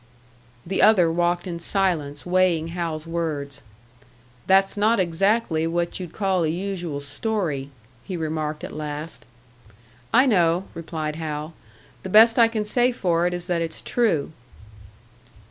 The other walked in silence, weighing Hal's words. "That's not exactly what you'd call a usual story," he remarked, at last. "I know," replied Hal. "The best I can say for it is that it's true."